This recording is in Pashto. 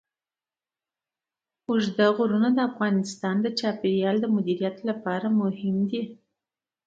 اوږده غرونه د افغانستان د چاپیریال د مدیریت لپاره مهم دي.